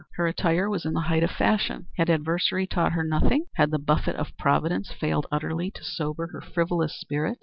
Her attire was in the height of fashion. Had adversity taught her nothing? Had the buffet of Providence failed utterly to sober her frivolous spirit?